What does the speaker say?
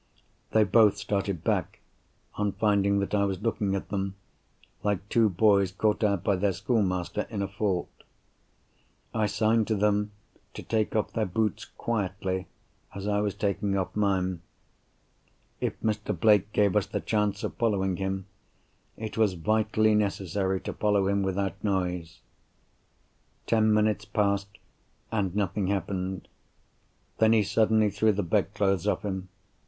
They both started back, on finding that I was looking at them, like two boys caught out by their schoolmaster in a fault. I signed to them to take off their boots quietly, as I was taking off mine. If Mr. Blake gave us the chance of following him, it was vitally necessary to follow him without noise. Ten minutes passed—and nothing happened. Then, he suddenly threw the bed clothes off him.